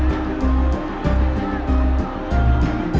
di kota alam